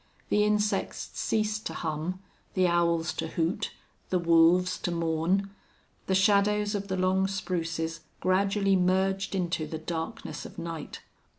The insects ceased to hum, the owls to hoot, the wolves to mourn. The shadows of the long spruces gradually merged into the darkness of night.